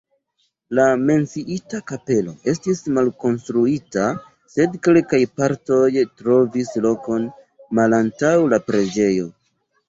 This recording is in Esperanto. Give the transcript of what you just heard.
La menciita kapelo estis malkonstruita, sed kelkaj partoj trovis lokon malantaŭ la preĝejo.